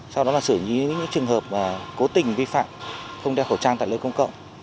sau đó là xử lý những trường hợp cố tình vi phạm không đeo khẩu trang tại nơi công cộng